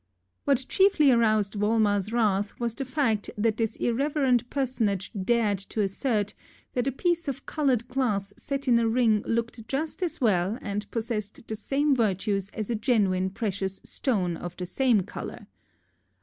What chiefly aroused Volmar's wrath was the fact that this irreverent personage dared to assert that a piece of colored glass set in a ring looked just as well and possessed the same virtues as a genuine precious stone of the same color.